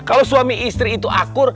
kalau suami istri itu akur